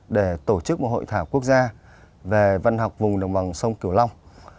để tổ chức một hội thảo quốc gia về văn học vùng đồng bằng sông cửu long